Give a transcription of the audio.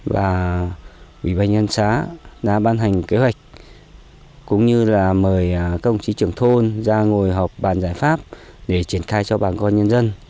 và ubnd xã đã ban hành kế hoạch cũng như là mời các công chí trưởng thôn ra ngồi họp bàn giải pháp để triển khai cho bàn con nhân dân